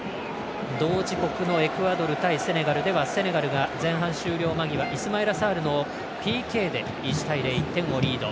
同時刻のエクアドル対セネガルではセネガルが前半終了間際イスマイラ・サールのＰＫで１対０、１点をリード。